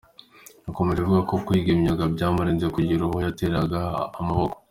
Yakomeje avuga ko kwiga imyuga byamurinze kugira uwo yategera amaboko.